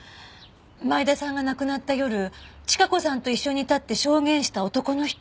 前田さんが亡くなった夜チカ子さんと一緒にいたって証言した男の人。